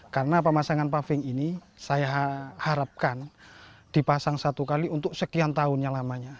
karena pemasangan paving ini saya harapkan dipasang satu kali untuk sekian tahun yang lamanya